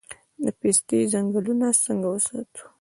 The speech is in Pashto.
د پستې ځنګلونه څنګه وساتو؟